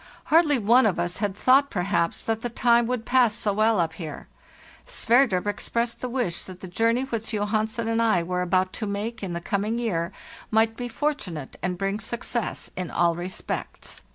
Hard ly one of us had thought, perhaps, that the time would pass so well up here. Sverdrup expressed the wish that the journey which Johansen and I were about to make in the coming year might be fortunate and bring success in all respects.